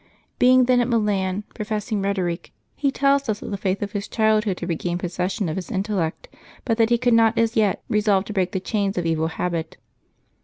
Being then at Milan professing rhetoric, he tells us that the faith of his childhood had regained possession of his intellect, but that he could not as yet resolve to break the chains of evil habit.